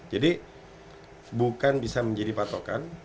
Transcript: jadi bukan bisa menjadi patokan